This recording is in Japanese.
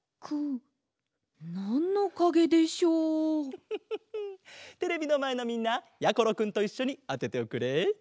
フフフフテレビのまえのみんなやころくんといっしょにあてておくれ。